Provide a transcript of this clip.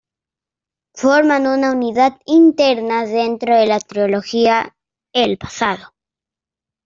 Forman una unidad interna dentro de la trilogía "El pasado".